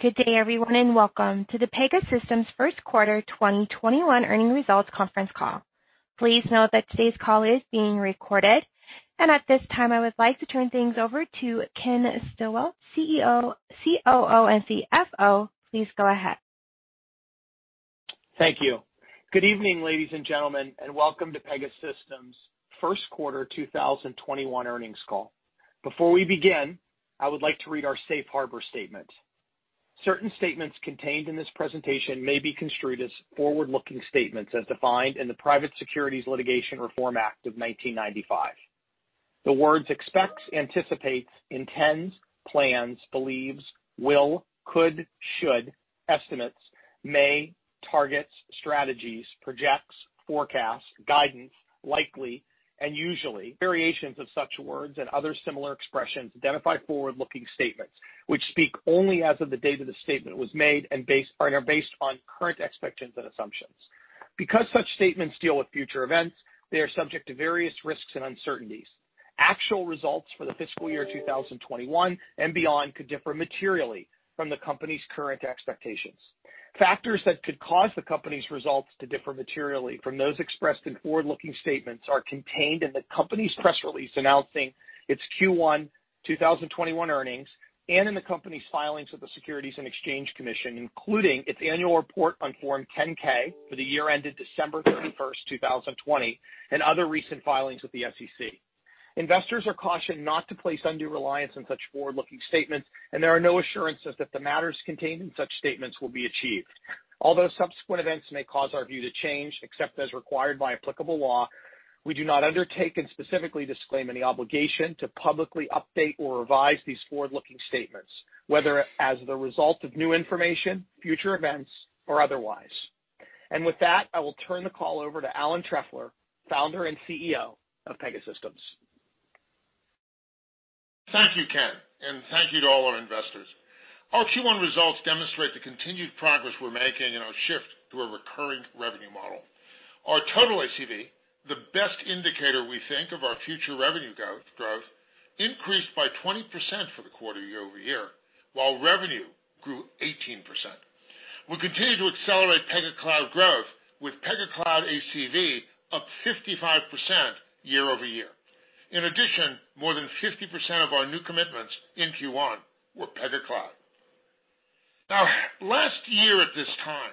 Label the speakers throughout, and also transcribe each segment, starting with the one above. Speaker 1: Good day, everyone, and welcome to the Pegasystems first quarter 2021 earnings results conference call. Please note that today's call is being recorded, and at this time, I would like to turn things over to Ken Stillwell, COO and CFO. Please go ahead.
Speaker 2: Thank you. Good evening, ladies and gentlemen, and welcome to Pegasystems first quarter 2021 earnings call. Before we begin, I would like to read our safe harbor statement. Certain statements contained in this presentation may be construed as forward-looking statements as defined in the Private Securities Litigation Reform Act of 1995. The words expects, anticipates, intends, plans, believes, will, could, should, estimates, may, targets, strategies, projects, forecasts, guidance, likely, and usually, variations of such words and other similar expressions identify forward-looking statements which speak only as of the date of the statement was made and are based on current expectations and assumptions. Because such statements deal with future events, they are subject to various risks and uncertainties. Actual results for the fiscal year 2021 and beyond could differ materially from the company's current expectations. Factors that could cause the company's results to differ materially from those expressed in forward-looking statements are contained in the company's press release announcing its Q1 2021 earnings and in the company's filings with the Securities and Exchange Commission, including its annual report on Form 10-K, for the year ended December 31st, 2020, and other recent filings with the SEC. Investors are cautioned not to place undue reliance on such forward-looking statements, and there are no assurances that the matters contained in such statements will be achieved. Although subsequent events may cause our view to change, except as required by applicable law, we do not undertake and specifically disclaim any obligation to publicly update or revise these forward-looking statements, whether as the result of new information, future events, or otherwise. With that, I will turn the call over to Alan Trefler, Founder and CEO of Pegasystems.
Speaker 3: Thank you, Ken, and thank you to all our investors. Our Q1 results demonstrate the continued progress we're making in our shift to a recurring revenue model. Our total ACV, the best indicator we think of our future revenue growth, increased by 20% for the quarter year-over-year, while revenue grew 18%. We continue to accelerate Pega Cloud growth with Pega Cloud ACV up 55% year-over-year. In addition, more than 50% of our new commitments in Q1 were Pega Cloud. Last year at this time,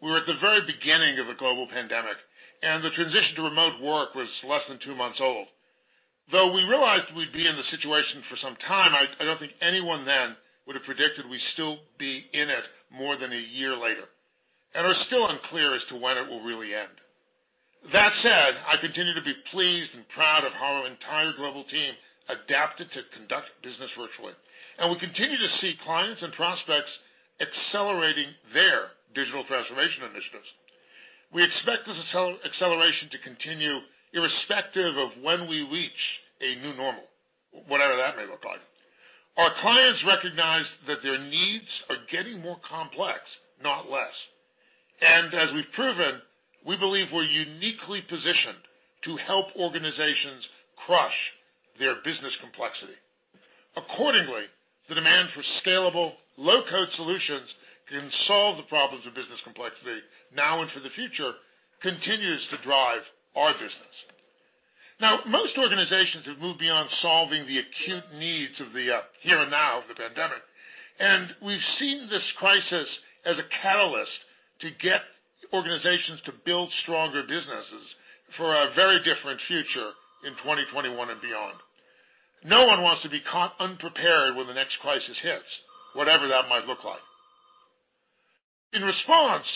Speaker 3: we were at the very beginning of a global pandemic, and the transition to remote work was less than two months old. We realized we'd be in the situation for some time, I don't think anyone then would have predicted we'd still be in it more than a year later, and we're still unclear as to when it will really end. That said, I continue to be pleased and proud of how our entire global team adapted to conduct business virtually, and we continue to see clients and prospects accelerating their digital transformation initiatives. We expect this acceleration to continue irrespective of when we reach a new normal, whatever that may look like. Our clients recognize that their needs are getting more complex, not less. As we've proven, we believe we're uniquely positioned to help organizations crush their business complexity. Accordingly, the demand for scalable, low-code solutions can solve the problems of business complexity now and for the future continues to drive our business. Now, most organizations have moved beyond solving the acute needs of the here and now of the pandemic, and we've seen this crisis as a catalyst to get organizations to build stronger businesses for a very different future in 2021 and beyond. No one wants to be caught unprepared when the next crisis hits, whatever that might look like. In response,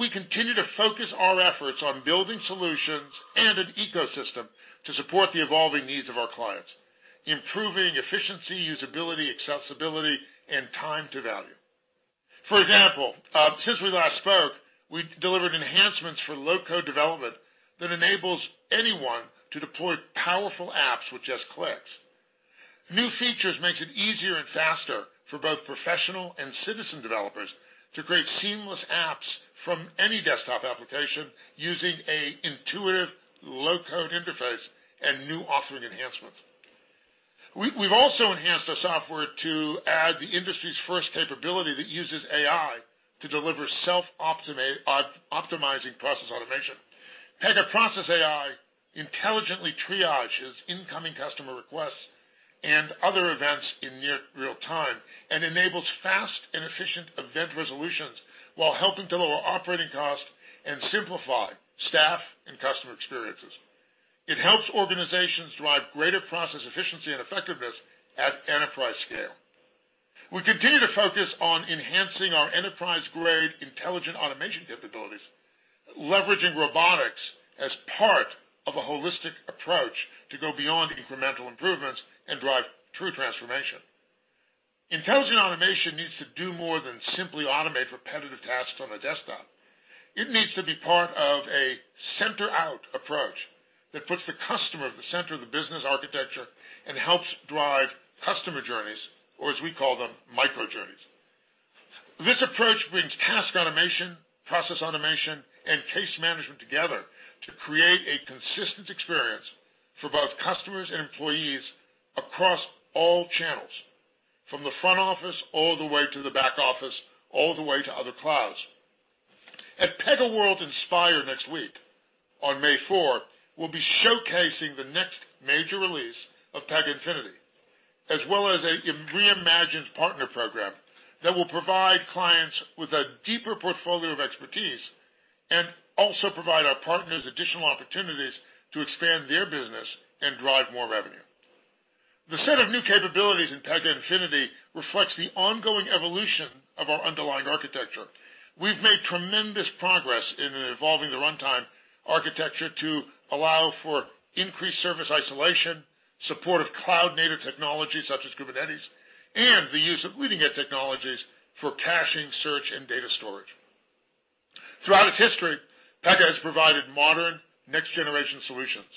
Speaker 3: we continue to focus our efforts on building solutions and an ecosystem to support the evolving needs of our clients, improving efficiency, usability, accessibility, and time to value. For example, since we last spoke, we delivered enhancements for low-code development that enables anyone to deploy powerful apps with just clicks. New features makes it easier and faster for both professional and citizen developers to create seamless apps from any desktop application using an intuitive low-code interface and new offering enhancements. We've also enhanced our software to add the industry's first capability that uses AI to deliver self-optimizing process automation. Pega Process AI intelligently triages incoming customer requests and other events in near real time and enables fast and efficient event resolutions while helping to lower operating costs and simplify staff and customer experiences. It helps organizations drive greater process efficiency and effectiveness at enterprise scale. We continue to focus on enhancing our enterprise-grade intelligent automation capabilities, leveraging robotics as part of a holistic approach to go beyond incremental improvements and drive true transformation. Intelligent automation needs to do more than simply automate repetitive tasks on a desktop. It needs to be part of a center-out approach that puts the customer at the center of the business architecture and helps drive customer journeys, or as we call them, micro journeys, customers and employees across all channels, from the front office, all the way to the back office, all the way to other clouds. At PegaWorld iNspire next week, on May 4, we'll be showcasing the next major release of Pega Infinity, as well as a reimagined partner program that will provide clients with a deeper portfolio of expertise, and also provide our partners additional opportunities to expand their business and drive more revenue. The set of new capabilities in Pega Infinity reflects the ongoing evolution of our underlying architecture. We've made tremendous progress in evolving the runtime architecture to allow for increased service isolation, support of cloud-native technologies such as Kubernetes, and the use of leading-edge technologies for caching, search, and data storage. Throughout its history, Pega has provided modern, next-generation solutions.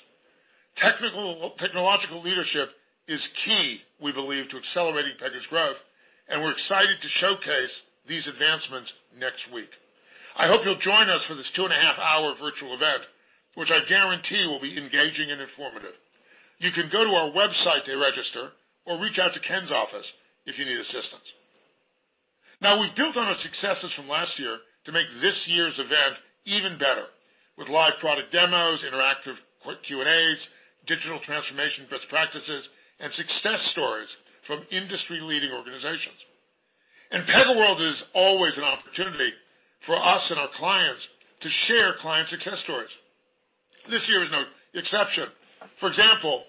Speaker 3: Technological leadership is key, we believe, to accelerating Pega's growth, and we're excited to showcase these advancements next week. I hope you'll join us for this two and a half hour virtual event, which I guarantee will be engaging and informative. You can go to our website to register or reach out to Kenneth Stillwell's office if you need assistance. Now we've built on our successes from last year to make this year's event even better, with live product demos, interactive Q&As, digital transformation best practices, and success stories from industry leading organizations. PegaWorld is always an opportunity for us and our clients to share client success stories. This year is no exception. For example,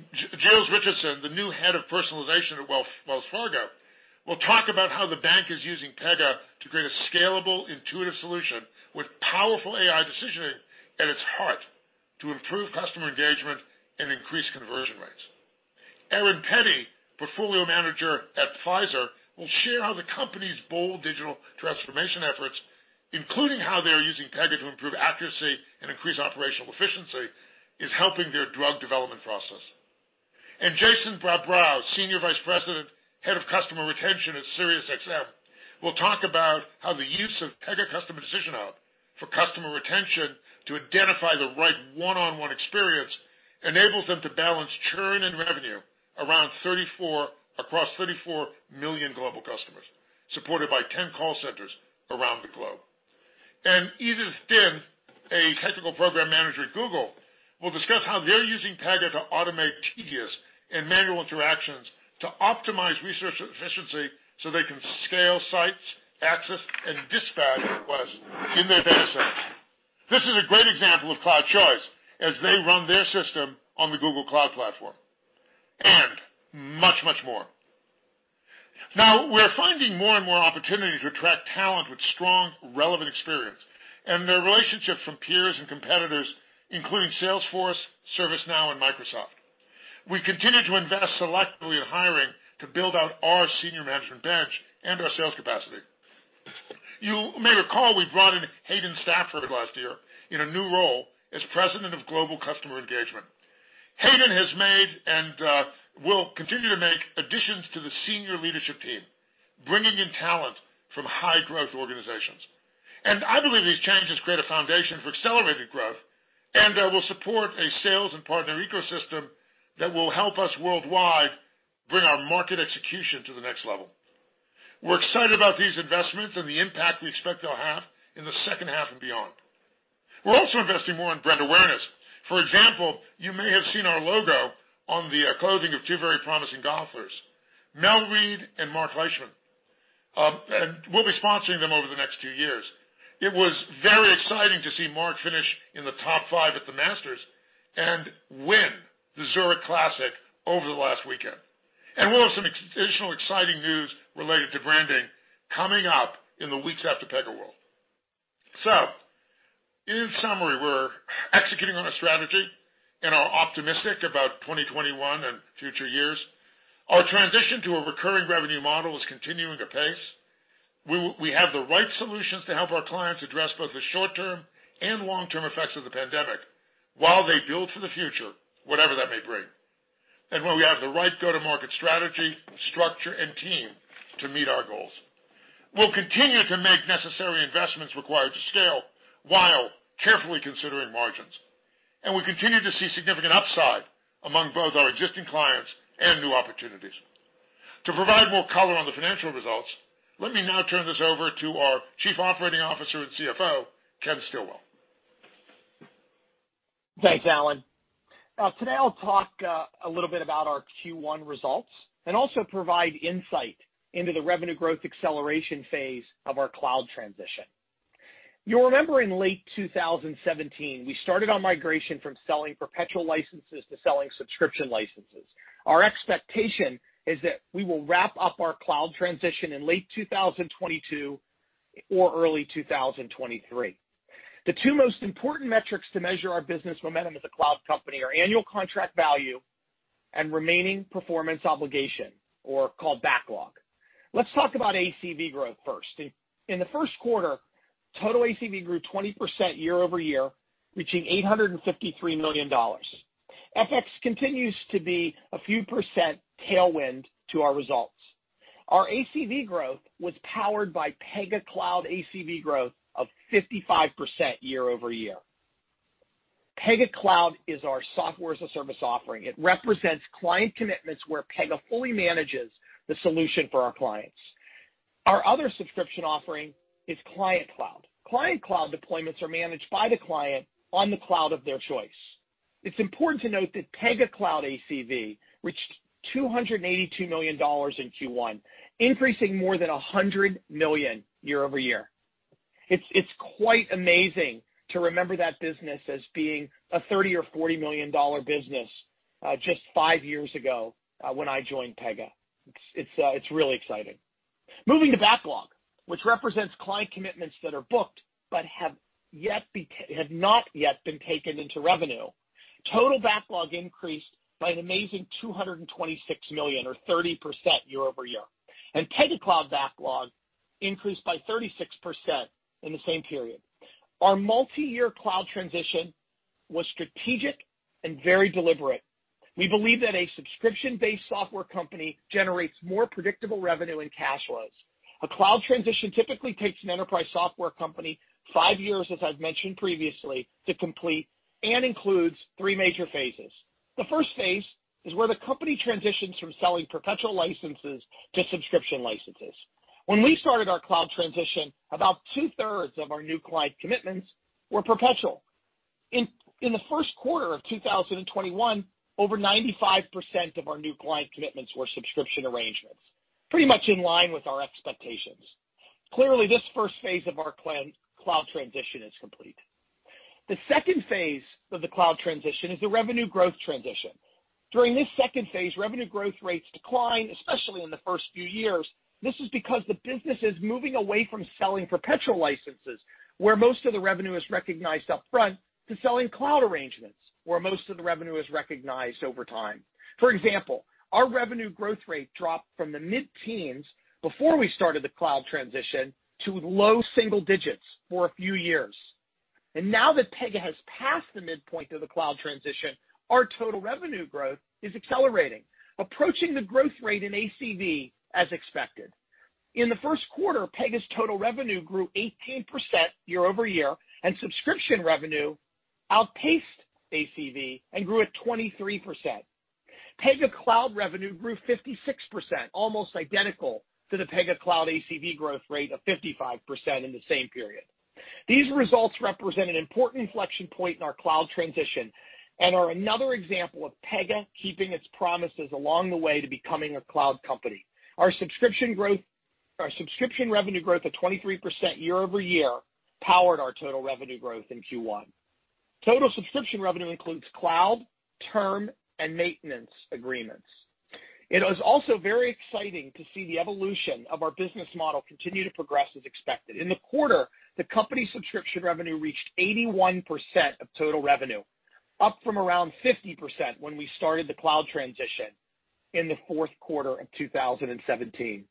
Speaker 3: James Richardson, the new Head of Personalization at Wells Fargo, will talk about how the bank is using Pega to create a scalable, intuitive solution with powerful AI decisioning at its heart to improve customer engagement and increase conversion rates. Erin Petty, Portfolio Director of Global Product Development at Pfizer, will share how the company's bold digital transformation efforts, including how they're using Pega to improve accuracy and increase operational efficiency, is helping their drug development process. Jason Barbrow, Senior Vice President, Head of Customer Retention at SiriusXM, will talk about how the use of Pega Customer Decision Hub for customer retention to identify the right one-on-one experience enables them to balance churn and revenue across 34 million global customers, supported by 10 call centers around the globe. Edith Stinn, a Technical Program Manager at Google, will discuss how they're using Pega to automate tedious and manual interactions to optimize resource efficiency so they can scale sites, access, and dispatch requests in their data centers. This is a great example of cloud choice as they run their system on the Google Cloud platform. Much, much more. Now we're finding more and more opportunities to attract talent with strong, relevant experience and the relationships from peers and competitors, including Salesforce, ServiceNow, and Microsoft. We continue to invest selectively in hiring to build out our senior management bench and our sales capacity. You may recall we brought in Hayden Stafford last year in a new role as President of Global Customer Engagement. Hayden has made, and will continue to make, additions to the senior leadership team, bringing in talent from high-growth organizations. I believe these changes create a foundation for accelerated growth and will support a sales and partner ecosystem that will help us worldwide bring our market execution to the next level. We're excited about these investments and the impact we expect they'll have in the second half and beyond. We're also investing more in brand awareness. For example, you may have seen our logo on the clothing of two very promising golfers, Mel Reid and Marc Leishman. We'll be sponsoring them over the next two years. It was very exciting to see Marc finish in the top five at the Masters and win the Zurich Classic over the last weekend. We'll have some additional exciting news related to branding coming up in the weeks after PegaWorld. In summary, we're executing on a strategy and are optimistic about 2021 and future years. Our transition to a recurring revenue model is continuing apace. We have the right solutions to help our clients address both the short-term and long-term effects of the pandemic while they build for the future, whatever that may bring. We have the right go-to-market strategy, structure, and team to meet our goals. We'll continue to make necessary investments required to scale while carefully considering margins. We continue to see significant upside among both our existing clients and new opportunities. To provide more color on the financial results, let me now turn this over to our Chief Operating Officer and CFO, Ken Stillwell.
Speaker 2: Thanks, Alan. Today I'll talk a little bit about our Q1 results and also provide insight into the revenue growth acceleration phase of our cloud transition. You'll remember in late 2017, we started on migration from selling perpetual licenses to selling subscription licenses. Our expectation is that we will wrap up our cloud transition in late 2022 or early 2023. The two most important metrics to measure our business momentum as a cloud company are annual contract value and remaining performance obligation, or called backlog. Let's talk about ACV growth first. In the first quarter, total ACV grew 20% year-over-year, reaching $853 million. FX continues to be a few percent tailwind to our results. Our ACV growth was powered by Pega Cloud ACV growth of 55% year-over-year. Pega Cloud is our software as a service offering. It represents client commitments where Pegasystems fully manages the solution for our clients. Our other subscription offering is Client-Managed Cloud. Client-Managed Cloud deployments are managed by the client on the cloud of their choice. It's important to note that Pegasystems Cloud ACV reached $282 million in Q1, increasing more than $100 million year-over-year. It's quite amazing to remember that business as being a $30 or $40 million business just five years ago when I joined Pegasystems. It's really exciting. Moving to backlog, which represents client commitments that are booked but have not yet been taken into revenue. Total backlog increased by an amazing $226 million or 30% year-over-year. Pegasystems Cloud backlog increased by 36% in the same period. Our multi-year cloud transition was strategic and very deliberate. We believe that a subscription-based software company generates more predictable revenue and cash flows. A cloud transition typically takes an enterprise software company five years, as I've mentioned previously, to complete and includes three major phases. The first phase is where the company transitions from selling perpetual licenses to subscription licenses. When we started our cloud transition, about two-thirds of our new client commitments were perpetual. In the first quarter of 2021, over 95% of our new client commitments were subscription arrangements, pretty much in line with our expectations. Clearly, this first phase of our cloud transition is complete. The second phase of the cloud transition is the revenue growth transition. During this second phase, revenue growth rates decline, especially in the first few years. This is because the business is moving away from selling perpetual licenses, where most of the revenue is recognized upfront, to selling cloud arrangements, where most of the revenue is recognized over time. For example, our revenue growth rate dropped from the mid-teens before we started the cloud transition to low single digits for a few years. Now that Pegasystems has passed the midpoint of the cloud transition, our total revenue growth is accelerating, approaching the growth rate in ACV as expected. In the first quarter, Pegasystems's total revenue grew 18% year-over-year, and subscription revenue outpaced ACV and grew at 23%. Pega Cloud revenue grew 56%, almost identical to the Pega Cloud ACV growth rate of 55% in the same period. These results represent an important inflection point in our cloud transition and are another example of Pegasystems keeping its promises along the way to becoming a cloud company. Our subscription revenue growth of 23% year-over-year powered our total revenue growth in Q1. Total subscription revenue includes cloud, term, and maintenance agreements. It was also very exciting to see the evolution of our business model continue to progress as expected. In the quarter, the company subscription revenue reached 81% of total revenue, up from around 50% when we started the cloud transition in the fourth quarter of 2017.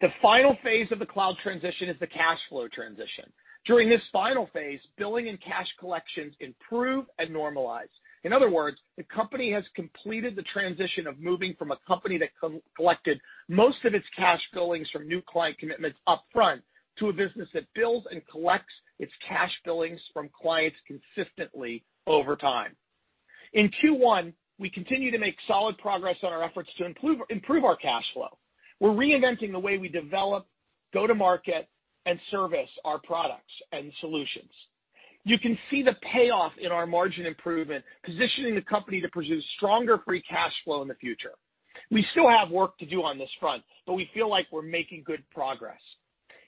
Speaker 2: The final phase of the cloud transition is the cash flow transition. During this final phase, billing and cash collections improve and normalize. In other words, the company has completed the transition of moving from a company that collected most of its cash billings from new client commitments upfront to a business that bills and collects its cash billings from clients consistently over time. In Q1, we continue to make solid progress on our efforts to improve our cash flow. We're reinventing the way we develop, go to market, and service our products and solutions. You can see the payoff in our margin improvement, positioning the company to produce stronger free cash flow in the future. We still have work to do on this front, but we feel like we're making good progress.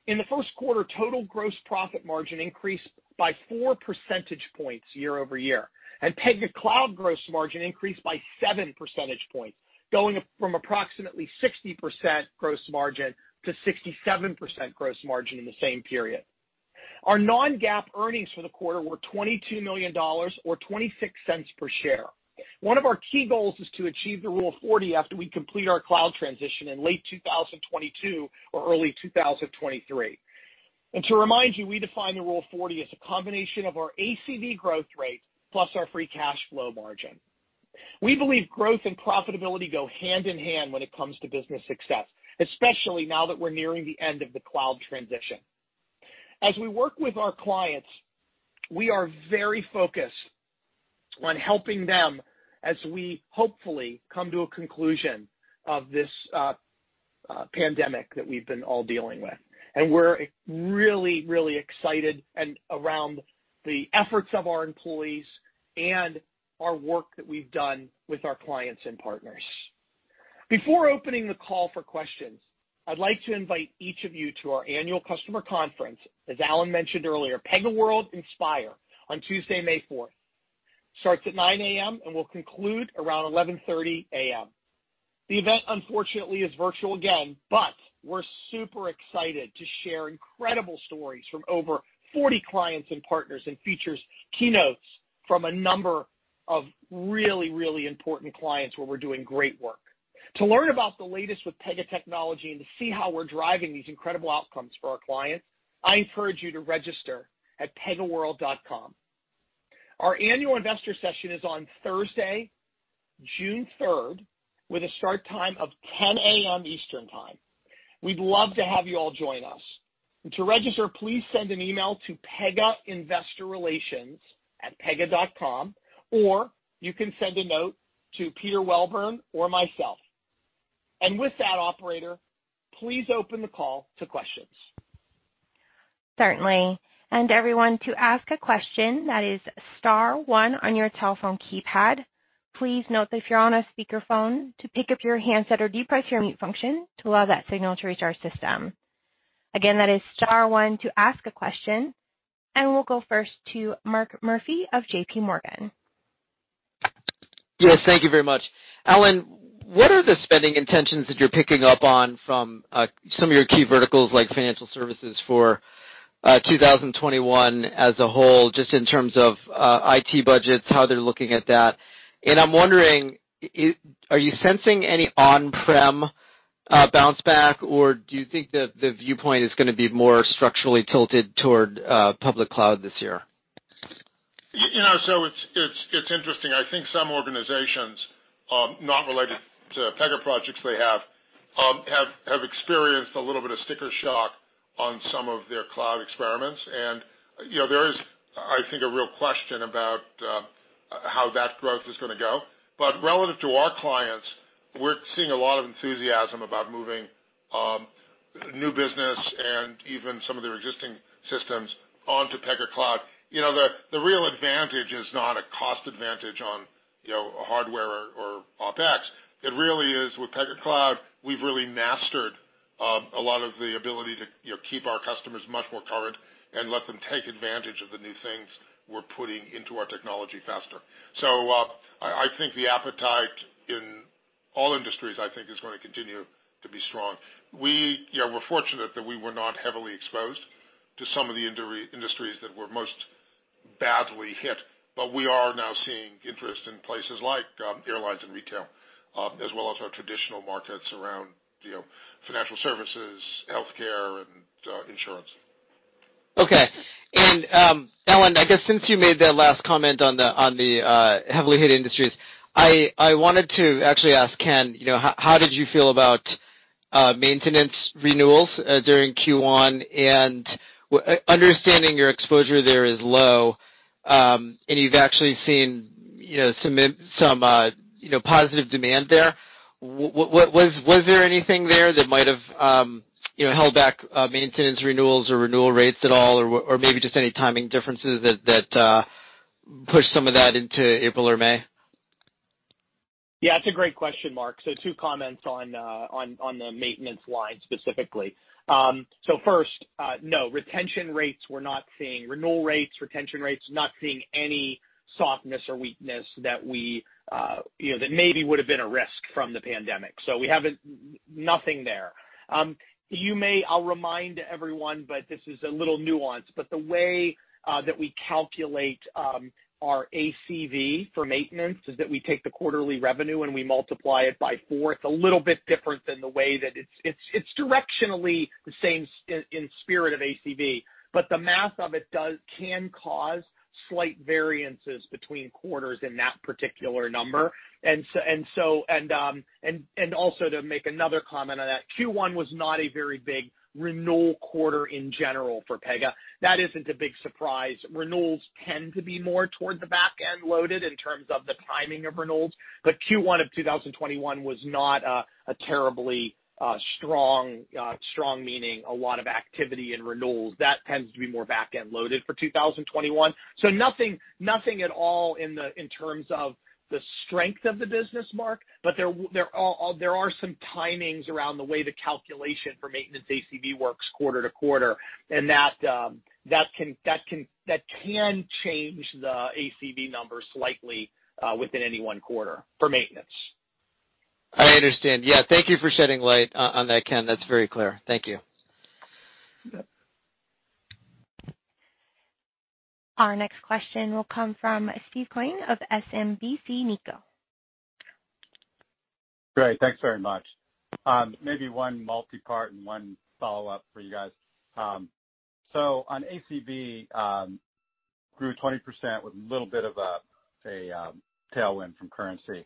Speaker 2: In the first quarter, total gross profit margin increased by four percentage points year-over-year, and Pega Cloud gross margin increased by seven percentage points, going from approximately 60% gross margin to 67% gross margin in the same period. Our non-GAAP earnings for the quarter were $22 million, or $0.26 per share. One of our key goals is to achieve the Rule of 40 after we complete our cloud transition in late 2022 or early 2023. To remind you, we define the Rule of 40 as a combination of our ACV growth rate plus our free cash flow margin. We believe growth and profitability go hand in hand when it comes to business success, especially now that we're nearing the end of the cloud transition. As we work with our clients, we are very focused on helping them as we hopefully come to a conclusion of this pandemic that we've been all dealing with. We're really excited around the efforts of our employees and our work that we've done with our clients and partners. Before opening the call for questions, I'd like to invite each of you to our annual customer conference, as Alan mentioned earlier, PegaWorld iNspire on Tuesday, May 4th. Starts at 9:00 A.M. and will conclude around 11:30 A.M. The event, unfortunately, is virtual again, but we're super excited to share incredible stories from over 40 clients and partners and features keynotes from a number of really, really important clients where we're doing great work. To learn about the latest with Pegasystems technology and to see how we're driving these incredible outcomes for our clients, I encourage you to register at PegaWorld. Our annual investor session is on Thursday, June 3rd with a start time of 10:00 A.M. Eastern Time. We'd love to have you all join us. To register, please send an email to pegaInvestorrelations@pega.com, or you can send a note to Peter Welburn or myself. With that, operator, please open the call to questions.
Speaker 1: Certainly. Everyone, to ask a question, that is star one on your telephone keypad. Please note that if you're on a speakerphone, to pick up your handset or depress your mute function to allow that signal to reach our system. Again, that is star one to ask a question, and we'll go first to Mark Murphy of JPMorgan.
Speaker 4: Yes, thank you very much. Alan Trefler, what are the spending intentions that you're picking up on from some of your key verticals, like financial services for 2021 as a whole, just in terms of IT budgets, how they're looking at that? I'm wondering, are you sensing any on-prem bounce back, or do you think that the viewpoint is going to be more structurally tilted toward public cloud this year?
Speaker 3: It's interesting. I think some organizations, not related to Pegasystems projects they have experienced a little bit of sticker shock on some of their cloud experiments. There is, I think, a real question about how that growth is going to go. Relative to our clients, we're seeing a lot of enthusiasm about moving new business and even some of their existing systems onto Pegasystems Cloud. The real advantage is not a cost advantage on hardware or OpEx. It really is with Pegasystems Cloud, we've really mastered a lot of the ability to keep our customers much more current and let them take advantage of the new things we're putting into our technology faster. I think the appetite in all industries, I think, is going to continue to be strong. We're fortunate that we were not heavily exposed to some of the industries that were most badly hit, but we are now seeing interest in places like airlines and retail, as well as our traditional markets around financial services, healthcare, and insurance.
Speaker 4: Okay. Alan, I guess since you made that last comment on the heavily hit industries, I wanted to actually ask Ken, how did you feel about maintenance renewals during Q1? Understanding your exposure there is low, and you've actually seen some positive demand there. Was there anything there that might have held back maintenance renewals or renewal rates at all, or maybe just any timing differences that pushed some of that into April or May?
Speaker 2: Yeah, it's a great question, Mark. Two comments on the maintenance line specifically. First, no, retention rates, we're not seeing renewal rates, retention rates, not seeing any softness or weakness that maybe would have been a risk from the pandemic. Nothing there. I'll remind everyone, but this is a little nuanced, but the way that we calculate our ACV for maintenance is that we take the quarterly revenue and we multiply it by four. It's a little bit different than the way that it's directionally the same in spirit of ACV, but the math of it can cause slight variances between quarters in that particular number. Also to make another comment on that, Q1 was not a very big renewal quarter in general for Pegasystems. That isn't a big surprise. Renewals tend to be more toward the back-end loaded in terms of the timing of renewals. Q1 of 2021 was not a terribly strong meaning a lot of activity in renewals. That tends to be more back-end loaded for 2021. Nothing at all in terms of the strength of the business, Mark. There are some timings around the way the calculation for maintenance ACV works quarter to quarter, and that can change the ACV number slightly within any one quarter for maintenance.
Speaker 4: I understand. Yeah. Thank you for shedding light on that, Ken. That's very clear. Thank you.
Speaker 2: Yep.
Speaker 1: Our next question will come from Steve Quinn of SMBC Nikko.
Speaker 5: Great. Thanks very much. Maybe one multi-part and one follow-up for you guys. On ACV, grew 20% with a little bit of a tailwind from currency.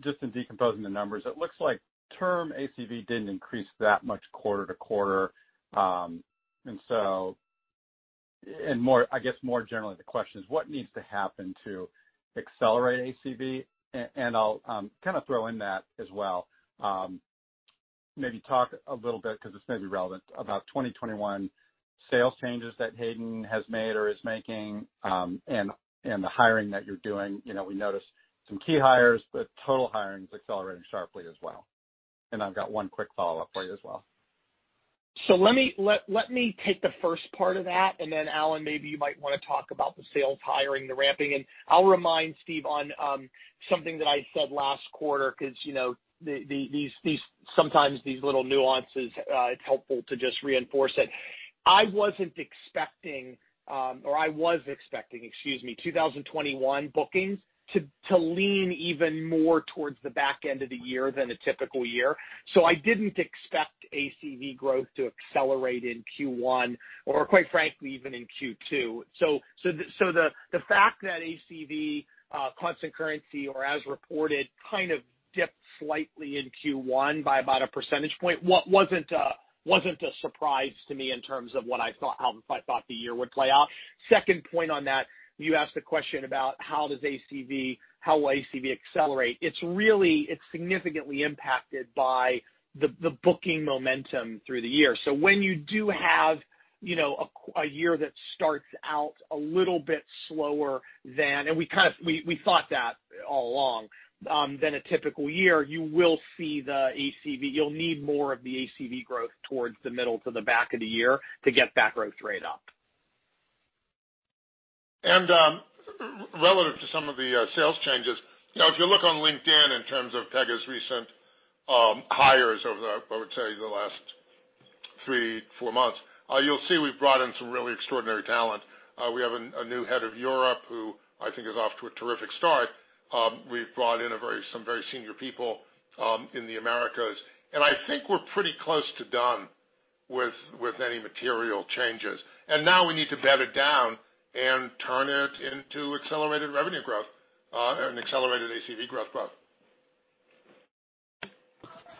Speaker 5: Just in decomposing the numbers, it looks like term ACV didn't increase that much quarter to quarter. I guess more generally the question is what needs to happen to accelerate ACV? I'll kind of throw in that as well. Maybe talk a little bit, because this may be relevant, about 2021 sales changes that Hayden has made or is making, and the hiring that you're doing. We noticed some key hires, but total hiring is accelerating sharply as well. I've got one quick follow-up for you as well.
Speaker 2: Let me take the first part of that, and then Alan, maybe you might want to talk about the sales hiring, the ramping. I'll remind Steve on something that I said last quarter, because sometimes these little nuances, it's helpful to just reinforce it. I wasn't expecting, or I was expecting, excuse me, 2021 bookings to lean even more towards the back end of the year than a typical year. I didn't expect ACV growth to accelerate in Q1 or quite frankly, even in Q2. The fact that ACV constant currency or as reported, kind of dipped slightly in Q1 by about a percentage point wasn't a surprise to me in terms of how I thought the year would play out. Second point on that, you asked a question about how will ACV accelerate. It's significantly impacted by the booking momentum through the year. When you do have a year that starts out a little bit slower than, and we thought that all along, than a typical year, you'll need more of the ACV growth towards the middle to the back of the year to get that growth rate up.
Speaker 3: Relative to some of the sales changes, if you look on LinkedIn in terms of Pegasystems's recent hires over, I would say, the last three, four months, you'll see we've brought in some really extraordinary talent. We have a new head of Europe who I think is off to a terrific start. We've brought in some very senior people in the Americas, and I think we're pretty close to done with any material changes, and now we need to bed it down and turn it into accelerated revenue growth and accelerated ACV growth.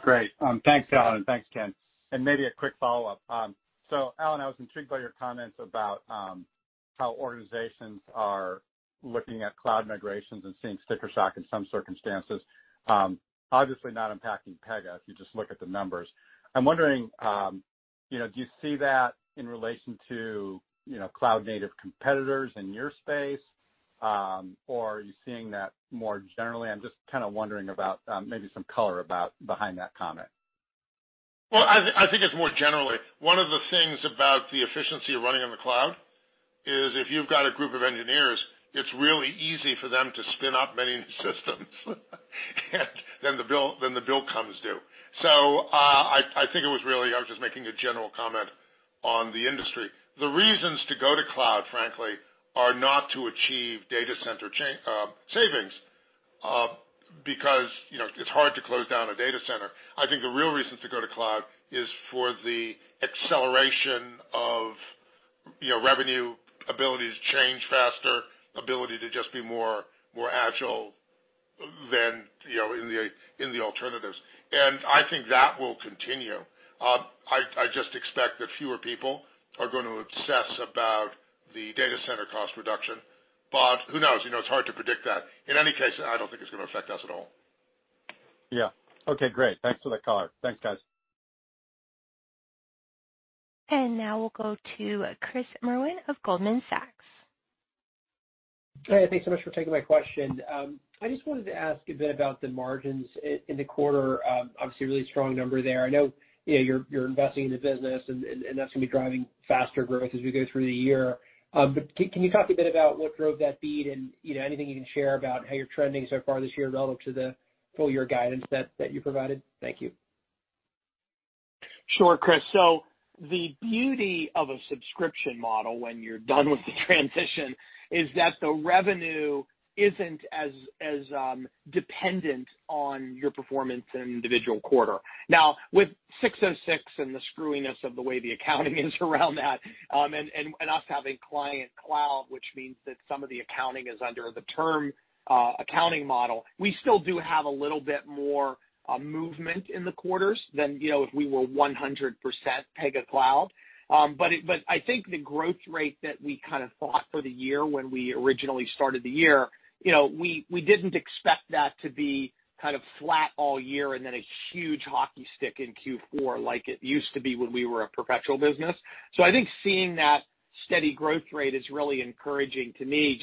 Speaker 5: Great. Thanks, Alan. Thanks, Ken. Maybe a quick follow-up. Alan, I was intrigued by your comments about how organizations are looking at cloud migrations and seeing sticker shock in some circumstances. Obviously not impacting Pegasystems, if you just look at the numbers. I'm wondering, do you see that in relation to cloud-native competitors in your space? Or are you seeing that more generally? I'm just kind of wondering about maybe some color behind that comment.
Speaker 3: I think it's more generally. One of the things about the efficiency of running in the cloud is if you've got a group of engineers, it's really easy for them to spin up many systems, and then the bill comes due. I think I was just making a general comment on the industry. The reasons to go to cloud, frankly, are not to achieve data center savings, because it's hard to close down a data center. I think the real reasons to go to cloud is for the acceleration of revenue, ability to change faster, ability to just be more agile than in the alternatives. I think that will continue. I just expect that fewer people are going to obsess about the data center cost reduction. Who knows? It's hard to predict that. In any case, I don't think it's going to affect us at all.
Speaker 5: Yeah. Okay, great. Thanks for that color. Thanks, guys.
Speaker 1: Now we'll go to Chris Merwin of Goldman Sachs.
Speaker 6: Hey, thanks so much for taking my question. I just wanted to ask a bit about the margins in the quarter. Obviously really strong number there. I know you're investing in the business and that's going to be driving faster growth as we go through the year. Can you talk a bit about what drove that beat and anything you can share about how you're trending so far this year relative to the full-year guidance that you provided? Thank you.
Speaker 2: Sure, Chris. The beauty of a subscription model when you're done with the transition is that the revenue isn't as dependent on your performance in an individual quarter. Now, with ASC 606 and the screwiness of the way the accounting is around that, and us having Client-Managed Cloud, which means that some of the accounting is under the term accounting model, we still do have a little bit more movement in the quarters than if we were 100% Pega Cloud. I think the growth rate that we kind of thought for the year when we originally started the year, we didn't expect that to be kind of flat all year and then a huge hockey stick in Q4 like it used to be when we were a perpetual business. I think seeing that steady growth rate is really encouraging to me,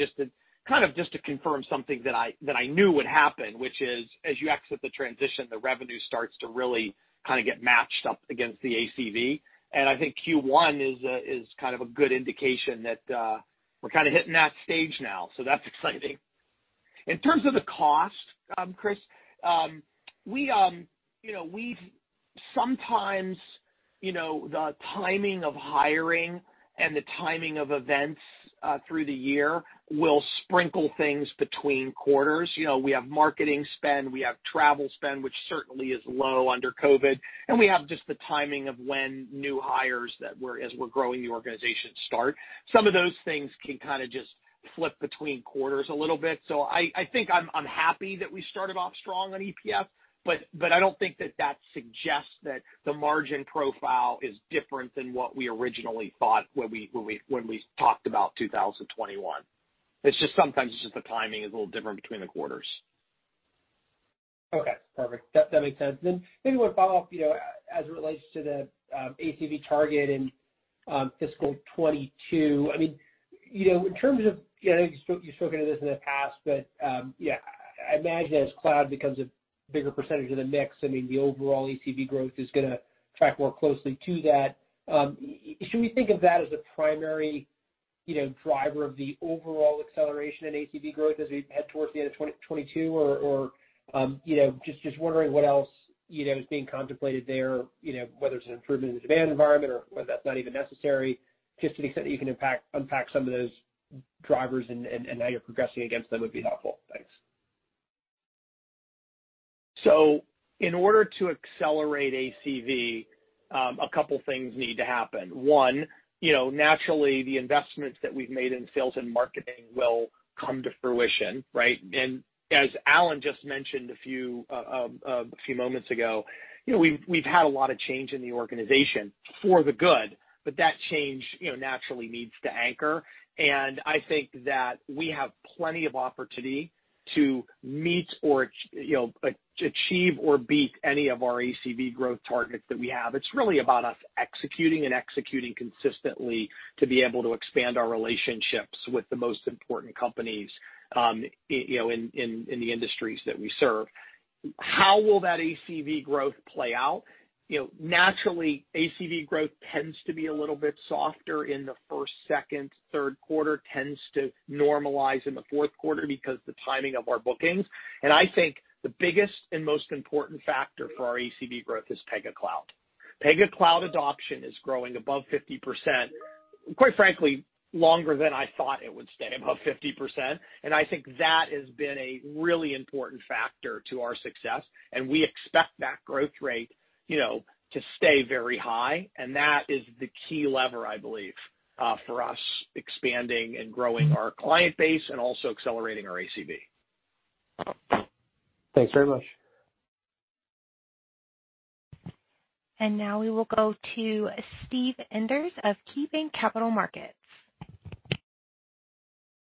Speaker 2: kind of just to confirm something that I knew would happen, which is as you exit the transition, the revenue starts to really kind of get matched up against the ACV. I think Q1 is kind of a good indication that we're kind of hitting that stage now. That's exciting. In terms of the cost, Chris, sometimes the timing of hiring and the timing of events through the year will sprinkle things between quarters. We have marketing spend, we have travel spend, which certainly is low under COVID, and we have just the timing of when new hires, as we're growing the organization, start. Some of those things can kind of just flip between quarters a little bit. I think I'm happy that we started off strong on EPF, but I don't think that suggests that the margin profile is different than what we originally thought when we talked about 2021. It's just sometimes the timing is a little different between the quarters.
Speaker 6: Okay, perfect. That makes sense. Maybe one follow-up, as it relates to the ACV target in fiscal 2022. I know you've spoken to this in the past, but I imagine as cloud becomes a bigger percentage of the mix, the overall ACV growth is going to track more closely to that. Should we think of that as a primary driver of the overall acceleration in ACV growth as we head towards the end of 2022? Just wondering what else is being contemplated there, whether it's an improvement in the demand environment or whether that's not even necessary. Just to the extent that you can unpack some of those drivers and how you're progressing against them would be helpful. Thanks.
Speaker 2: In order to accelerate ACV, a couple things need to happen. One, naturally, the investments that we've made in sales and marketing will come to fruition, right? As Alan just mentioned a few moments ago, we've had a lot of change in the organization for the good, but that change naturally needs to anchor. I think that we have plenty of opportunity to meet or achieve or beat any of our ACV growth targets that we have. It's really about us executing and executing consistently to be able to expand our relationships with the most important companies in the industries that we serve. How will that ACV growth play out? Naturally, ACV growth tends to be a little bit softer in the first, second, third quarter. Tends to normalize in the fourth quarter because the timing of our bookings. I think the biggest and most important factor for our ACV growth is Pega Cloud. Pega Cloud adoption is growing above 50%, quite frankly, longer than I thought it would stay above 50%. I think that has been a really important factor to our success, and we expect that growth rate to stay very high. That is the key lever, I believe, for us expanding and growing our client base and also accelerating our ACV.
Speaker 6: Thanks very much.
Speaker 1: Now we will go to Steven Enders of KeyBanc Capital Markets.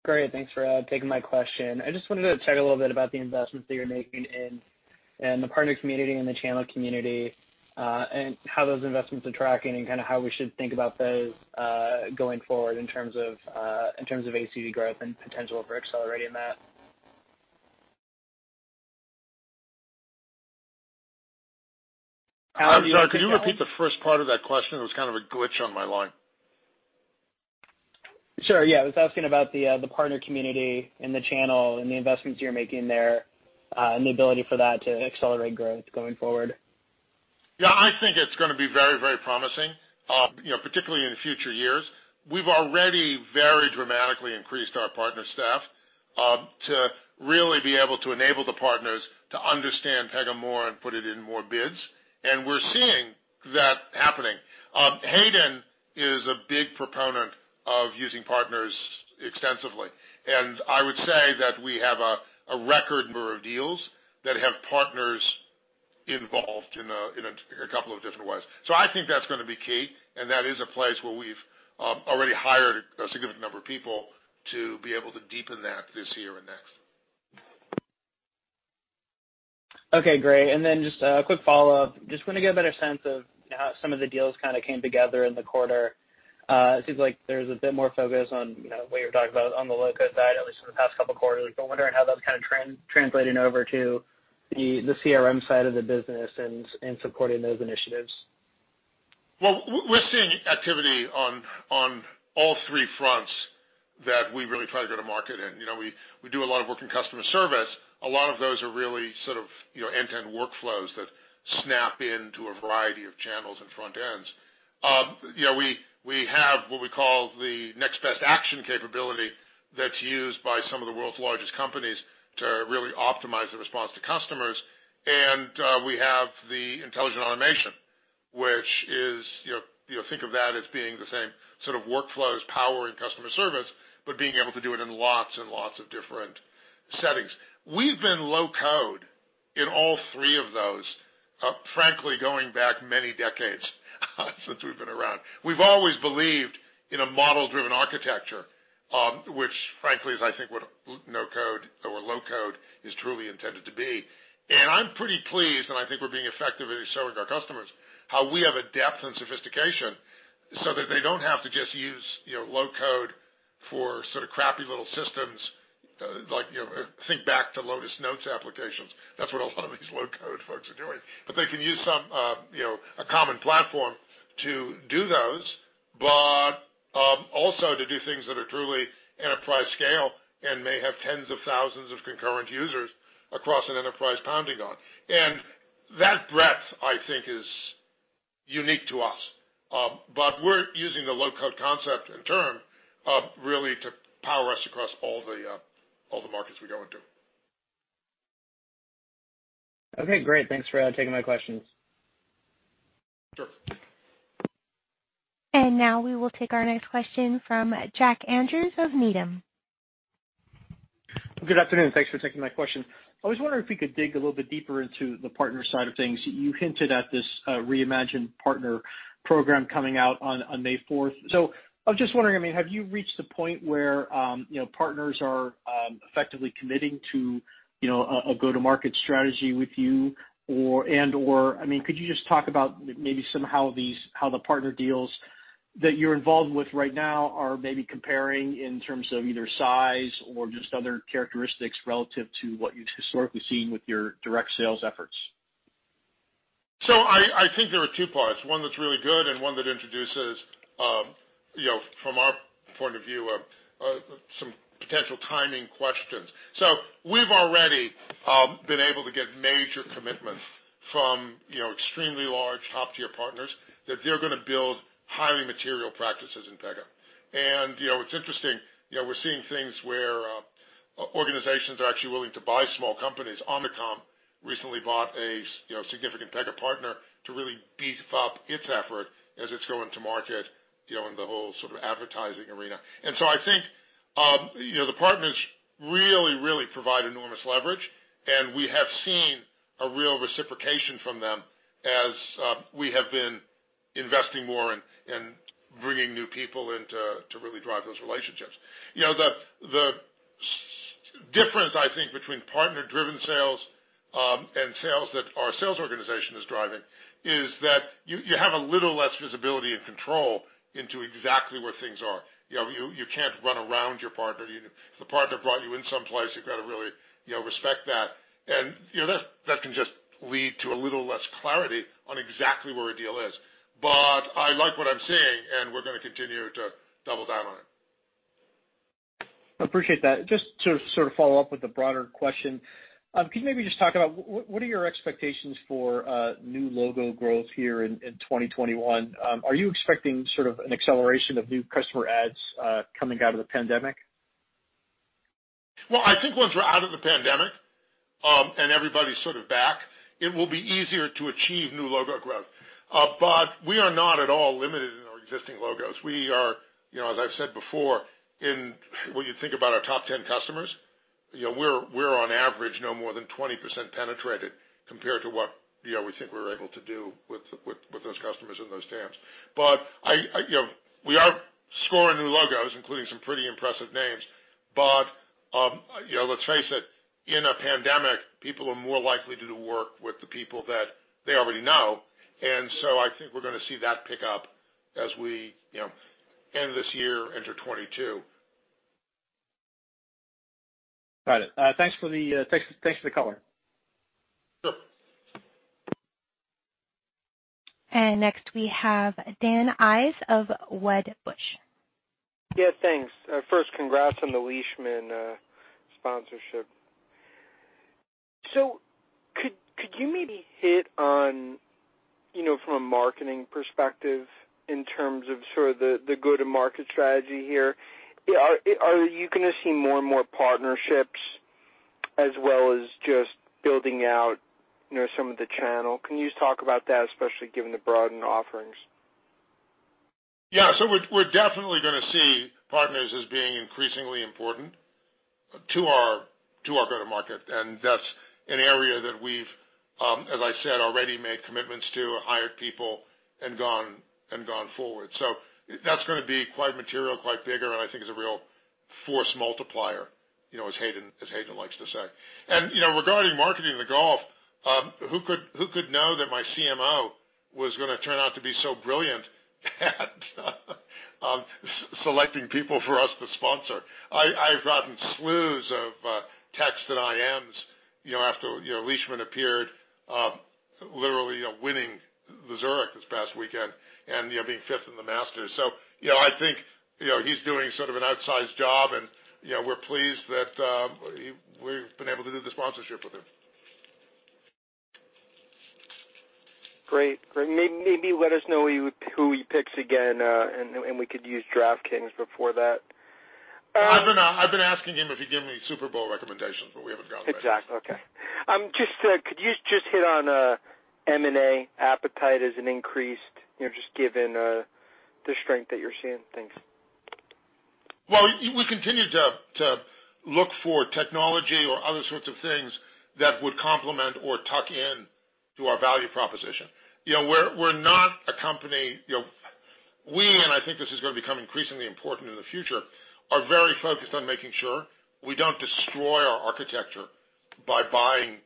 Speaker 7: Great. Thanks for taking my question. I just wanted to chat a little bit about the investments that you're making in the partner community and the channel community. How those investments are tracking and kind of how we should think about those going forward in terms of ACV growth and potential for accelerating that.
Speaker 3: Sorry, could you repeat the first part of that question? There was kind of a glitch on my line.
Speaker 7: Sure, yeah. I was asking about the partner community and the channel and the investments you're making there, and the ability for that to accelerate growth going forward.
Speaker 3: Yeah, I think it's going to be very promising, particularly in future years. We've already very dramatically increased our partner staff, to really be able to enable the partners to understand Pegasystems more and put it in more bids. We're seeing that happening. Hayden is a big proponent of using partners extensively, I would say that we have a record number of deals that have partners involved in a couple of different ways. I think that's going to be key, and that is a place where we've already hired a significant number of people to be able to deepen that this year and next.
Speaker 7: Okay, great. Just a quick follow-up. Just want to get a better sense of how some of the deals kind of came together in the quarter. It seems like there's a bit more focus on what you were talking about on the low-code side, at least in the past couple of quarters. Wondering how that's kind of translating over to the CRM side of the business and supporting those initiatives.
Speaker 3: Well, we're seeing activity on all three fronts that we really try to go to market in. We do a lot of work in customer service. A lot of those are really sort of end-to-end workflows that snap into a variety of channels and front ends. We have what we call the Next-Best-Action capability that's used by some of the world's largest companies to really optimize the response to customers. We have the intelligent automation, think of that as being the same sort of workflows powering customer service, but being able to do it in lots and lots of different settings. We've been low-code in all three of those, frankly, going back many decades since we've been around. We've always believed in a model-driven architecture, which frankly, is I think what no-code or low-code is truly intended to be. I'm pretty pleased, and I think we're being effective at showing our customers how we have a depth and sophistication so that they don't have to just use low-code for sort of crappy little systems like, think back to Lotus Notes applications. That's what a lot of these low-code folks are doing. They can use a common platform to do those, but also to do things that are truly enterprise scale and may have tens of thousands of concurrent users across an enterprise platform. That breadth, I think, is unique to us. We're using the low-code concept and term really to power us across all the markets we go into.
Speaker 7: Okay, great. Thanks for taking my questions.
Speaker 3: Sure.
Speaker 1: Now we will take our next question from Jack Andrews of Needham.
Speaker 8: Good afternoon. Thanks for taking my question. I was wondering if we could dig a little bit deeper into the partner side of things. You hinted at this reimagined partner program coming out on May 4th. I was just wondering, have you reached the point where partners are effectively committing to a go-to-market strategy with you? And/or could you just talk about maybe somehow how the partner deals that you're involved with right now are maybe comparing in terms of either size or just other characteristics relative to what you've historically seen with your direct sales efforts?
Speaker 3: I think there are two parts, one that's really good and one that introduces, from our point of view, some potential timing questions. We've already been able to get major commitments from extremely large, top-tier partners that they're going to build highly material practices in Pega. It's interesting, we're seeing things where organizations are actually willing to buy small companies. Omnicom recently bought a significant Pega partner to really beef up its effort as it's going to market in the whole advertising arena. I think the partners really provide enormous leverage, and we have seen a real reciprocation from them as we have been investing more in bringing new people in to really drive those relationships. The difference, I think, between partner-driven sales and sales that our sales organization is driving is that you have a little less visibility and control into exactly where things are. You can't run around your partner. The partner brought you in someplace, you've got to really respect that. That can just lead to a little less clarity on exactly where a deal is. I like what I'm seeing, and we're going to continue to double down on it.
Speaker 8: I appreciate that. Just to sort of follow up with a broader question, can you maybe just talk about what are your expectations for new logo growth here in 2021? Are you expecting sort of an acceleration of new customer adds coming out of the pandemic?
Speaker 3: Well, I think once we're out of the pandemic, and everybody's sort of back, it will be easier to achieve new logo growth. We are not at all limited in our existing logos. We are, as I've said before, when you think about our top 10 customers, we're on average no more than 20% penetrated compared to what we think we're able to do with those customers and those TAMs. We are scoring new logos, including some pretty impressive names. Let's face it, in a pandemic, people are more likely to work with the people that they already know. I think we're going to see that pick up as we end this year, enter 2022.
Speaker 8: Got it. Thanks for the color.
Speaker 3: Sure.
Speaker 1: Next we have Dan Ives of Wedbush.
Speaker 9: Yeah, thanks. First, congrats on the Marc Leishman sponsorship. Could you maybe hit on from a marketing perspective in terms of sort of the go-to-market strategy here? Are you going to see more and more partnerships as well as just building out some of the channel? Can you just talk about that, especially given the broadened offerings?
Speaker 3: We're definitely going to see partners as being increasingly important to our go-to-market, and that's an area that we've, as I said, already made commitments to, hired people and gone forward. That's going to be quite material, quite bigger, and I think it's a real force multiplier, as Hayden likes to say. Regarding marketing the golf, who could know that my CMO was going to turn out to be so brilliant at selecting people for us to sponsor? I've gotten slews of texts and IMs after Leishman appeared literally winning the Zurich Classic this past weekend, and being fifth in The Masters Tournament. I think he's doing sort of an outsized job, and we're pleased that we've been able to do the sponsorship with him.
Speaker 9: Great. Maybe let us know who he picks again, and we could use DraftKings before that.
Speaker 3: I've been asking him if he'd give me Super Bowl recommendations, but we haven't gotten there yet.
Speaker 9: Exactly. Okay. Could you just hit on M&A appetite as in increased, just given the strength that you're seeing? Thanks.
Speaker 3: We continue to look for technology or other sorts of things that would complement or tuck in to our value proposition. We, and I think this is going to become increasingly important in the future, are very focused on making sure we don't destroy our architecture by buying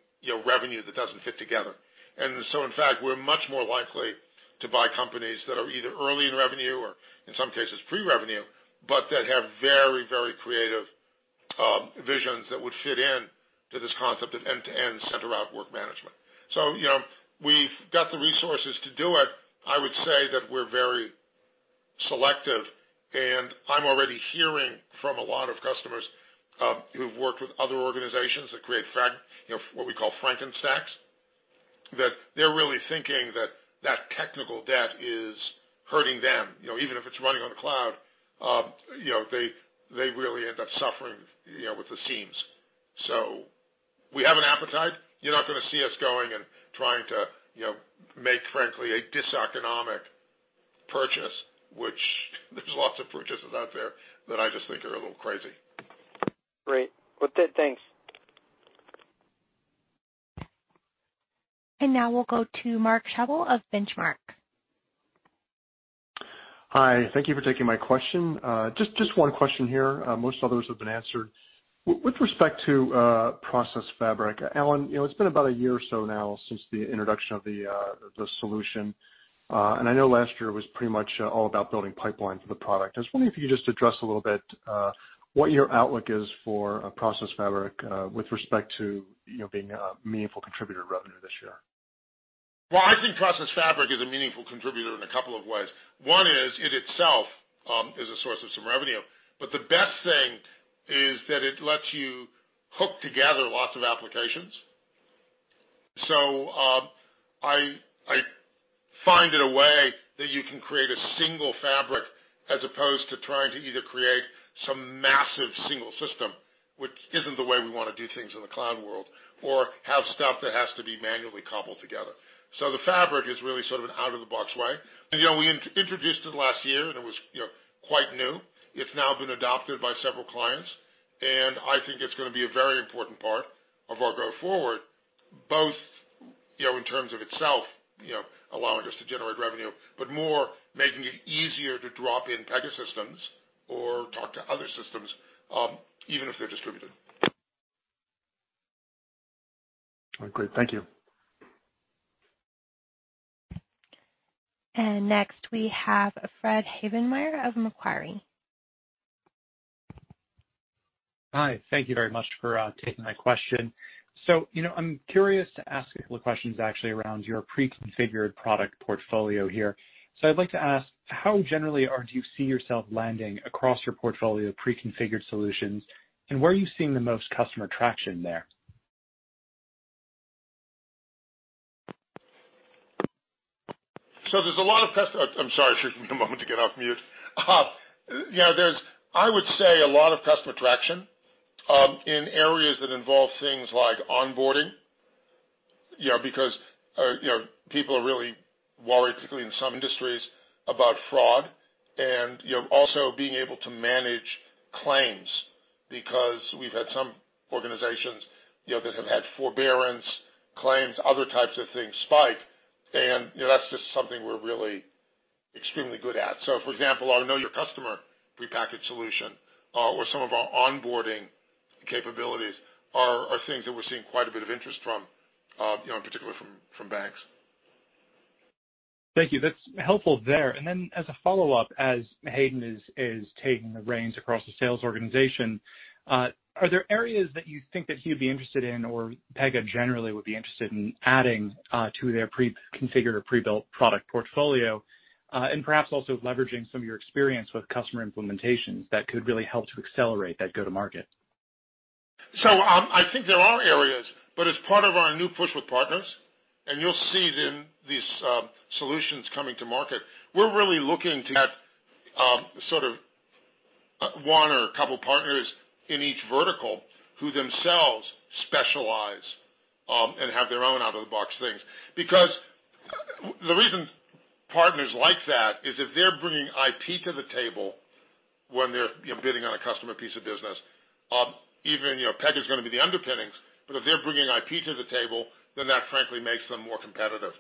Speaker 3: revenue that doesn't fit together. In fact, we're much more likely to buy companies that are either early in revenue or in some cases pre-revenue, but that have very creative visions that would fit in to this concept of end-to-end center-out work management. We've got the resources to do it. I would say that we're very selective, and I'm already hearing from a lot of customers who've worked with other organizations that create what we call Frankenstacks, that they're really thinking that that technical debt is hurting them. Even if it's running on the cloud, they really end up suffering with the seams. We have an appetite. You're not going to see us going and trying to make, frankly, a diseconomic purchase, which there's lots of purchases out there that I just think are a little crazy.
Speaker 9: Great. With that, thanks.
Speaker 1: Now we'll go to Mark Schappel of Benchmark.
Speaker 10: Hi. Thank you for taking my question. Just one question here. Most others have been answered. With respect to Process Fabric, Alan, it's been about a year or so now since the introduction of the solution. I know last year was pretty much all about building pipeline for the product. I was wondering if you could just address a little bit what your outlook is for Process Fabric with respect to being a meaningful contributor to revenue this year?
Speaker 3: Well, I think Process Fabric is a meaningful contributor in a couple of ways. One is, it itself is a source of some revenue. The best thing is that it lets you hook together lots of applications. I find it a way that you can create a single fabric as opposed to trying to either create some massive single system, which isn't the way we want to do things in the cloud world, or have stuff that has to be manually cobbled together. The Fabric is really sort of an out-of-the-box way. We introduced it last year, and it was quite new. It's now been adopted by several clients, and I think it's going to be a very important part of our go forward, both in terms of itself allowing us to generate revenue, but more making it easier to drop in Pegasystems or talk to other systems, even if they're distributed.
Speaker 10: All right, great. Thank you.
Speaker 1: Next we have Fred Havemeyer of Macquarie.
Speaker 11: Hi. Thank you very much for taking my question. I'm curious to ask a couple of questions actually around your pre-configured product portfolio here. I'd like to ask, how generally are you seeing yourself landing across your portfolio pre-configured solutions, and where are you seeing the most customer traction there?
Speaker 3: There's a lot of custom. I'm sorry, it took me a moment to get off mute. I would say a lot of customer traction in areas that involve things like onboarding, because people are really worried, particularly in some industries, about fraud and also being able to manage claims because we've had some organizations that have had forbearance claims, other types of things spike. That's just something we're really extremely good at. For example, our Know Your Customer prepackaged solution or some of our onboarding capabilities are things that we're seeing quite a bit of interest from, particularly from banks.
Speaker 11: Thank you. That's helpful there. Then as a follow-up, as Hayden is taking the reins across the sales organization, are there areas that you think that he would be interested in or Pegasystems generally would be interested in adding to their pre-configured or pre-built product portfolio? And perhaps also leveraging some of your experience with customer implementations that could really help to accelerate that go to market.
Speaker 3: I think there are areas, but as part of our new push with partners, and you'll see it in these solutions coming to market. We're really looking to have sort of one or a couple partners in each vertical who themselves specialize and have their own out-of-the-box things. The reason partners like that is if they're bringing IP to the table when they're bidding on a customer piece of business, even Pegasystems is going to be the underpinnings. If they're bringing IP to the table, then that frankly makes them more competitive.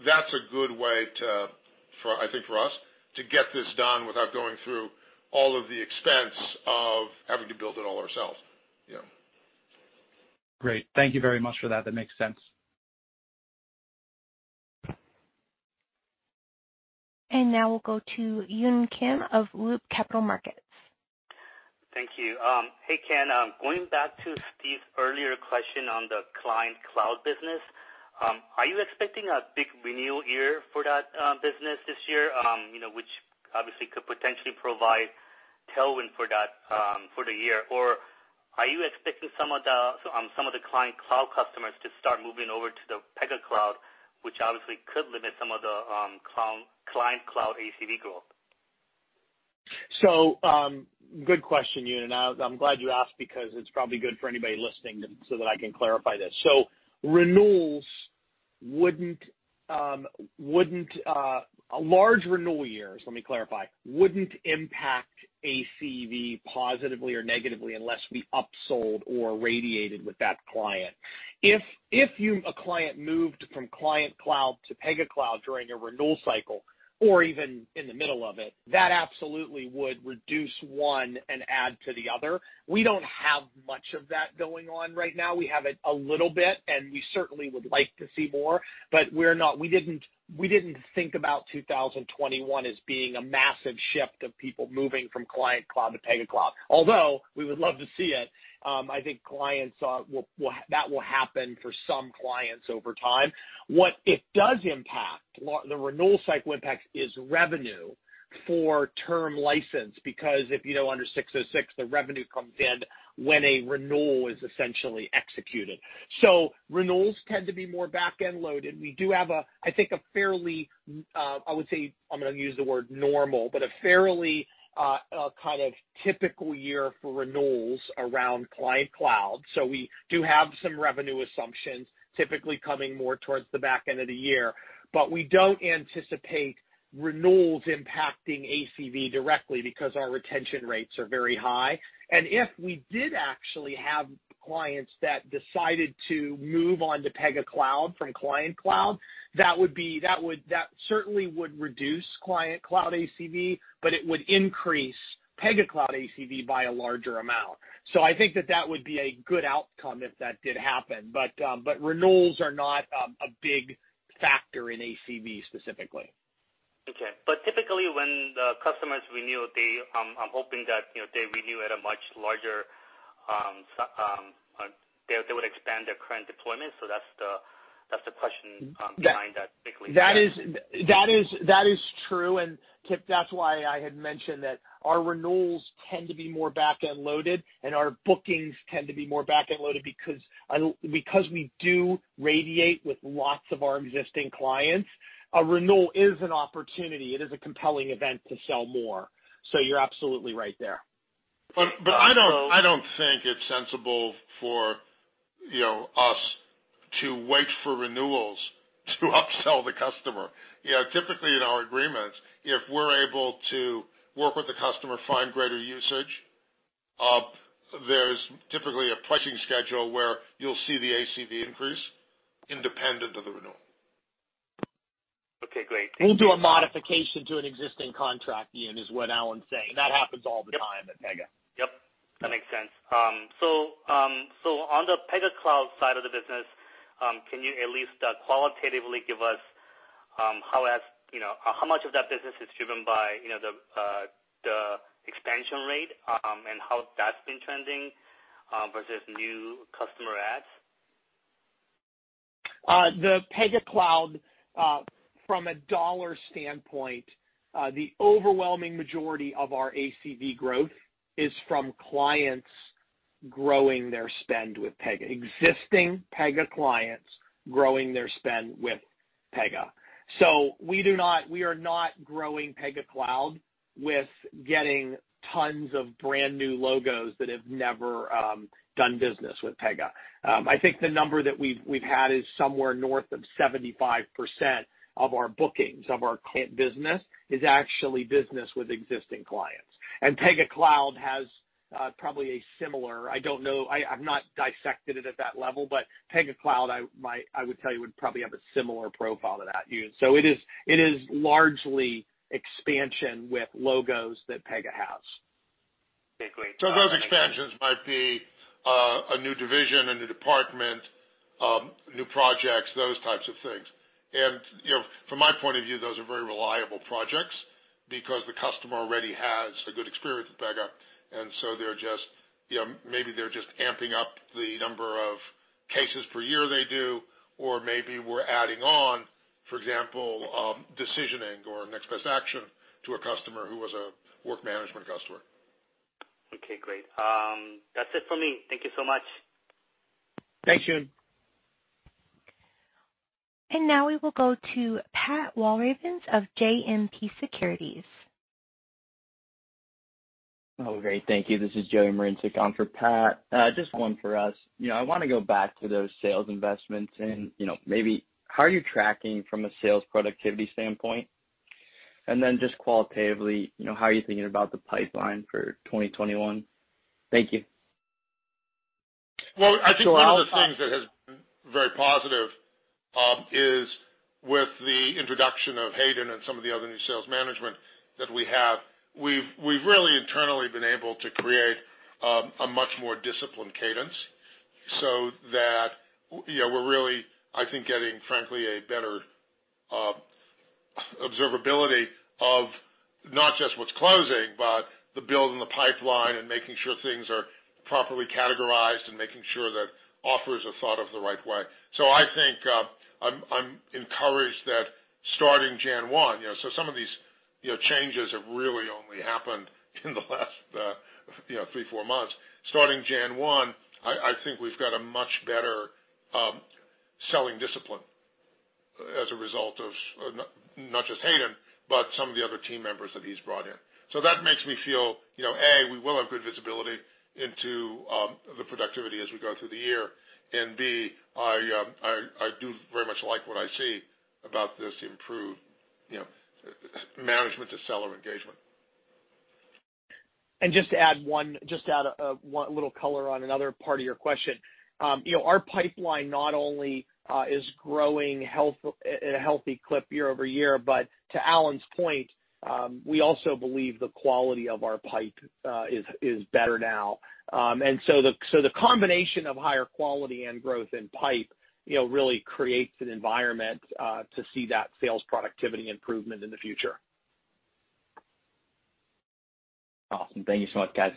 Speaker 3: That's a good way, I think for us, to get this done without going through all of the expense of having to build it all ourselves.
Speaker 11: Great. Thank you very much for that. That makes sense.
Speaker 1: Now we'll go to Yun Kim of Loop Capital Markets.
Speaker 12: Thank you. Hey, Ken. Going back to Steve's earlier question on the Client-Managed Cloud business. Are you expecting a big renewal year for that business this year? Which obviously could potentially provide tailwind for the year. Are you expecting some of the Client-Managed Cloud customers to start moving over to the Pega Cloud, which obviously could limit some of the Client-Managed Cloud ACV growth?
Speaker 2: Good question, Yun. I'm glad you asked because it's probably good for anybody listening so that I can clarify this. A large renewal year, let me clarify, wouldn't impact ACV positively or negatively unless we upsold or radiated with that client. If a client moved from Client Cloud to Pega Cloud during a renewal cycle or even in the middle of it, that absolutely would reduce one and add to the other. We don't have much of that going on right now. We have it a little bit, and we certainly would like to see more, but we didn't think about 2021 as being a massive shift of people moving from Client Cloud to Pega Cloud. Although we would love to see it. I think that will happen for some clients over time. What it does impact, the renewal cycle impacts is revenue for term license because if you know under ASC 606, the revenue comes in when a renewal is essentially executed. Renewals tend to be more back-end loaded. We do have, I think, a fairly, I would say, I'm going to use the word normal, but a fairly kind of typical year for renewals around Client-Managed Cloud. We do have some revenue assumptions typically coming more towards the back end of the year. We don't anticipate renewals impacting ACV directly because our retention rates are very high. If we did actually have clients that decided to move on to Pega Cloud from Client-Managed Cloud, that certainly would reduce Client-Managed Cloud ACV, but it would increase Pega Cloud ACV by a larger amount. I think that that would be a good outcome if that did happen, but renewals are not a big factor in ACV specifically.
Speaker 12: Okay. Typically, when the customers renew, I'm hoping that they would expand their current deployment. That's the question behind that, basically.
Speaker 2: That is true. That's why I had mentioned that our renewals tend to be more back-end loaded, and our bookings tend to be more back-end loaded because we do radiate with lots of our existing clients. A renewal is an opportunity. It is a compelling event to sell more. You're absolutely right there.
Speaker 3: I don't think it's sensible for us to wait for renewals to upsell the customer. Typically, in our agreements, if we're able to work with the customer, find greater usage, there's typically a pricing schedule where you'll see the ACV increase independent of the renewal.
Speaker 12: Okay, great. Thank you.
Speaker 2: We'll do a modification to an existing contract, Yun, is what Alan's saying. That happens all the time at Pegasystems.
Speaker 12: Yep. That makes sense. On the Pegasystems Cloud side of the business, can you at least qualitatively give us how much of that business is driven by the expansion rate and how that's been trending versus new customer adds?
Speaker 2: The Pegasystems Cloud, from a dollar standpoint, the overwhelming majority of our ACV growth is from clients growing their spend with Pegasystems. Existing Pegasystems clients growing their spend with Pegasystems. We are not growing Pegasystems Cloud with getting tons of brand-new logos that have never done business with Pegasystems. I think the number that we've had is somewhere north of 75% of our bookings of our client business is actually business with existing clients. Pegasystems Cloud has probably a similar, I don't know, I've not dissected it at that level, but Pegasystems Cloud, I would tell you, would probably have a similar profile to that, Yun. It is largely expansion with logos that Pegasystems has.
Speaker 12: Okay, great.
Speaker 3: Those expansions might be a new division, a new department, new projects, those types of things. From my point of view, those are very reliable projects because the customer already has a good experience with Pegasystems, and so maybe they're just amping up the number of cases per year they do, or maybe we're adding on, for example, decisioning or Next-Best-Action to a customer who was a work management customer.
Speaker 12: Okay, great. That's it for me. Thank you so much.
Speaker 2: Thanks, Yun.
Speaker 1: Now we will go to Pat Walravens of JMP Securities.
Speaker 13: Oh, great. Thank you. This is Joey Marincek on for Pat. Just one for us. I want to go back to those sales investments and maybe how are you tracking from a sales productivity standpoint? Just qualitatively, how are you thinking about the pipeline for 2021? Thank you.
Speaker 3: I think one of the things that has been very positive is with the introduction of Hayden and some of the other new sales management that we have. We've really internally been able to create a much more disciplined cadence so that we're really, I think, getting, frankly, a better observability of not just what's closing, but the build in the pipeline and making sure things are properly categorized and making sure that offers are thought of the right way. I think I'm encouraged that starting January 1, some of these changes have really only happened in the last three, four months. Starting January 1, I think we've got a much better selling discipline as a result of not just Hayden, but some of the other team members that he's brought in. That makes me feel, A, we will have good visibility into the productivity as we go through the year, and B, I do very much like what I see about this improved management to seller engagement.
Speaker 2: Just to add a little color on another part of your question. Our pipeline not only is growing at a healthy clip year-over-year, but to Alan's point, we also believe the quality of our pipe is better now. The combination of higher quality and growth in pipe really creates an environment to see that sales productivity improvement in the future.
Speaker 13: Awesome. Thank you so much, guys.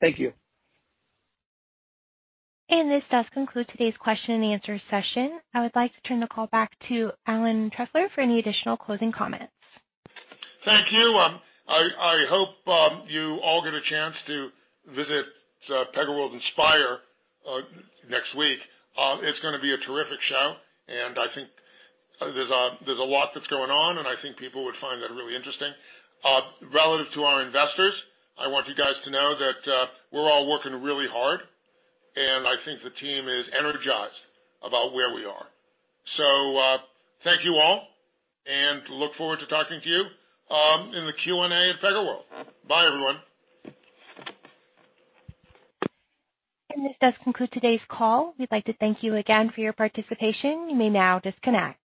Speaker 2: Thank you.
Speaker 1: This does conclude today's question and answer session. I would like to turn the call back to Alan Trefler for any additional closing comments.
Speaker 3: Thank you. I hope you all get a chance to visit PegaWorld iNspire next week. It's going to be a terrific show, and I think there's a lot that's going on, and I think people would find that really interesting. Relative to our investors, I want you guys to know that we're all working really hard, and I think the team is energized about where we are. Thank you all, and look forward to talking to you in the Q&A at PegaWorld. Bye, everyone.
Speaker 1: This does conclude today's call. We'd like to thank you again for your participation. You may now disconnect.